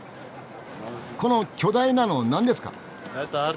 この巨大なの何ですか？